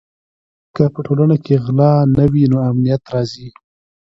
که په ټولنه کې غلا نه وي نو امنیت راځي.